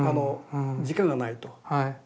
時間がないと。